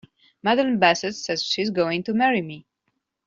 Madeline Bassett says she's going to marry me!